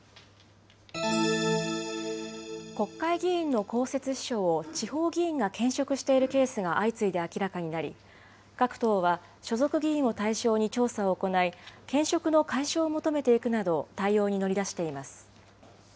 国会議員の公設秘書を地方議員が兼職しているケースが相次いで明らかになり、各党は所属議員を対象に調査を行い、兼職の解消を求めていくなど、対応に乗り出しています。